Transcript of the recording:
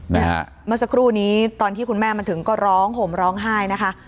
เมื่อสักครู่นี้ตอนที่คุณแม่มาถึงก็ร้องห่มร้องไห้นะคะ